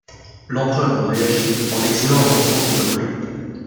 L'empereur réagit en l'exilant à Constantinople.